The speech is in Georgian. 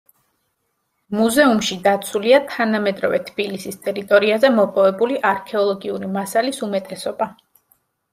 მუზეუმში დაცულია თანამედროვე თბილისის ტერიტორიაზე მოპოვებული არქეოლოგიური მასალის უმეტესობა.